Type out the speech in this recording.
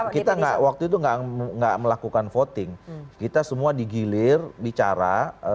kita waktu itu tidak melakukan voting kita semua digilir bicara